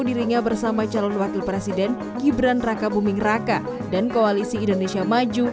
dirinya bersama calon wakil presiden gibran raka buming raka dan koalisi indonesia maju